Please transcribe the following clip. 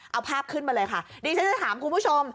เอาภาพขึ้นมาเลยค่ะดิฉันจะถามคุณผู้ชม